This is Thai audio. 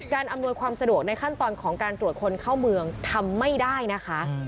อำนวยความสะดวกในขั้นตอนของการตรวจคนเข้าเมืองทำไม่ได้นะคะ